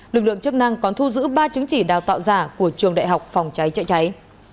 lực lượng chức năng còn thu giữ ba chứng chỉ đào tạo giả của trường đại học phòng trái trái trái